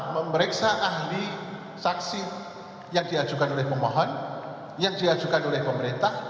memeriksa ahli saksi yang diajukan oleh pemohon yang diajukan oleh pemerintah